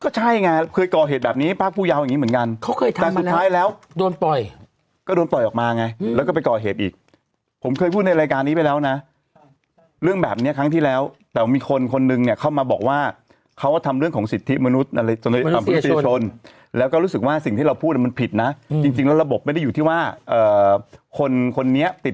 สิบนาทีคุณขับช้ามากค่ะก็สิบนาทีขับเร็วเนี้ย